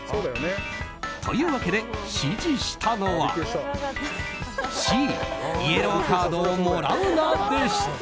というわけで、指示したのはＣ、イエローカードをもらうなでした。